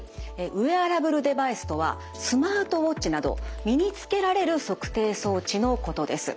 ウェアラブルデバイスとはスマートウォッチなど身に着けられる測定装置のことです。